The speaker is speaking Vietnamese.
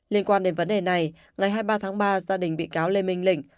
liên quan đến vấn đề này ngày hai mươi ba tháng ba gia đình bị cáo lê minh lĩnh